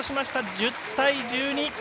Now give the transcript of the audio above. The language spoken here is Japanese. １０対１２。